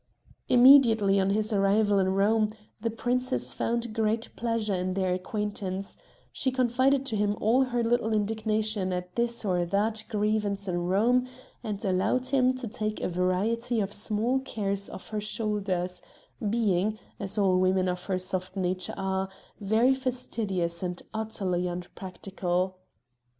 Immediately on his arrival in Rome the princess found great pleasure in their acquaintance, she confided to him all her little indignation at this or that grievance in Rome, and allowed him to take a variety of small cares off her shoulders, being, as all women of her soft nature are, very fastidious and utterly unpractical.